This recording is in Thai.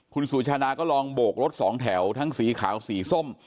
คุณสุชาดาก็ลองโบกรถสองแถวทั้งสีขาวสีส้ม